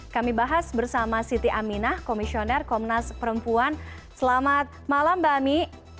kami bahas bersama siti aminah komisioner komnas perempuan selamat malam mbak ami